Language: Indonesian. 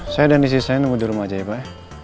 saya dan istri saya nunggu di rumah aja ya pak